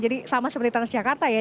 jadi sama seperti transjakarta ya